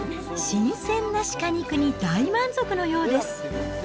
新鮮な鹿肉に大満足のようです。